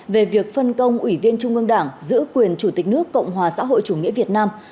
về việc phân công ủy viên trung ương đảng giữ quyền chủ tịch nước cộng hòa xã hội chủ nghĩa việt nam